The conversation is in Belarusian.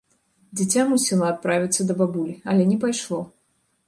Дзіця мусіла адправіцца да бабулі, але не пайшло.